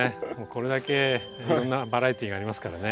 これだけいろんなバラエティーがありますからね。